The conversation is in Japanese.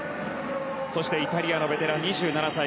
そしてイタリアのベテラン２７歳。